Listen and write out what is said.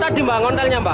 buat tadi mbak ontelnya mbak